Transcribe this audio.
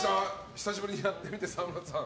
久しぶりにやってみて、沢村さん。